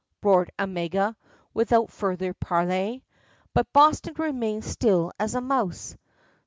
roared Omega, without further parley. But Boston remained still as a mouse.